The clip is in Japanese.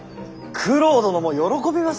九郎殿も喜びまする！